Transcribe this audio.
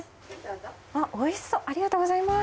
美味しそうありがとうございます。